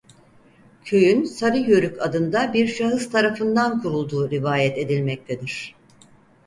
Köyün "Sarı Yörük" adında bir şahıs tarafından kurulduğu rivayet edilmektedir.